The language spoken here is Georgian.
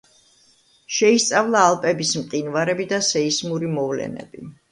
შეისწავლა ალპების მყინვარები და სეისმური მოვლენები.